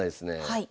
はい。